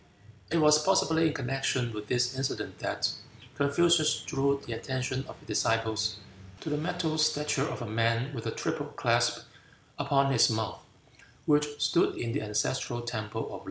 It was possibly in connection with this incident that Confucius drew the attention of his disciples to the metal statue of a man with a triple clasp upon his mouth, which stood in the ancestral temple at Lo.